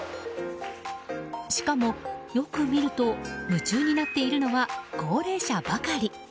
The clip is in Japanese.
しかも、よく見ると夢中になっているのは高齢者ばかり。